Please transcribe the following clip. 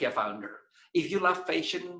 jika anda suka fesyen